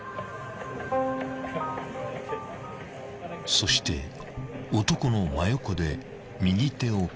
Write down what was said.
［そして男の真横で右手を確認］